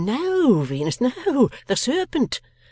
'No, Venus, no. The Serpent.